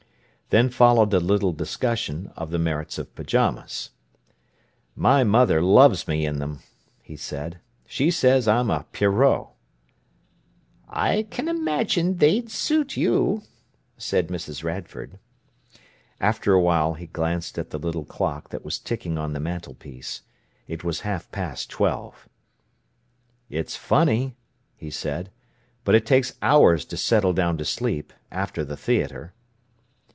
Then followed a little discussion of the merits of pyjamas. "My mother loves me in them," he said. "She says I'm a pierrot." "I can imagine they'd suit you," said Mrs. Radford. After a while he glanced at the little clock that was ticking on the mantelpiece. It was half past twelve. "It is funny," he said, "but it takes hours to settle down to sleep after the theatre."